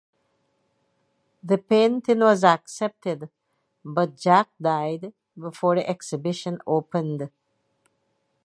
The painting was accepted but Jack died before the exhibition opened.